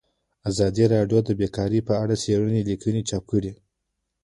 ازادي راډیو د بیکاري په اړه څېړنیزې لیکنې چاپ کړي.